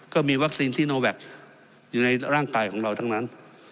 ก็มีวัคซีนซีโนแวคอยู่ในร่างกายของเราทั้งนั้น